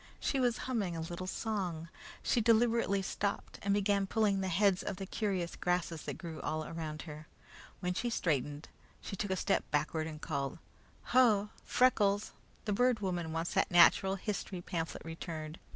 She was humming a little song. She deliberately stopped and began pulling the heads of the curious grasses that grew all around her. When she straightened, she took a step backward and called: "Ho! Freckles, the Bird Woman wants that natural history pamphlet returned.